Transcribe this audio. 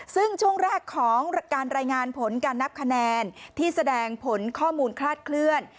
ซึ่งช่วงแรกของการรายงานผลการนับคะแนนที่แสดงผลข้อมูลคลาดเคลื่อน